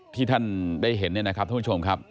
ที่ท่านได้เห็นนะครับทุกผู้ชม